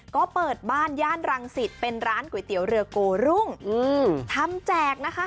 ก็เปิดบ้านย่านรังสิตเป็นร้านก๋วยเตี๋ยวเรือโกรุ่งทำแจกนะคะ